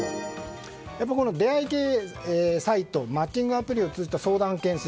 出会い系サイトマッチングアプリを通じた相談件数